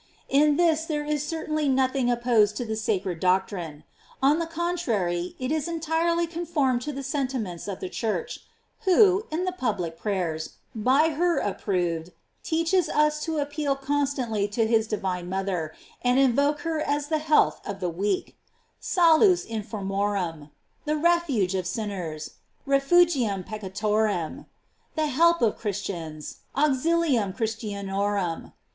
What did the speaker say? In this there is certainly nothing opposed to the sacred doctrines; on the contrary, it is entire ly conformed to the sentiments of the Church, who, in the public prayers, by her approved, teaches us to appeal constantly to his divine mother, and invoke her as the Health of the weak: "Salus infirmorum." The Refuge of sin ners: "Refugium peccatorem." The Help of Christians: "Auxiliumchristianorum."